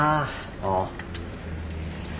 ああ。